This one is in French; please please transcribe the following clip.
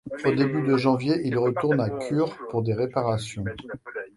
Au début de janvier, il retourne à Kure pour des réparations.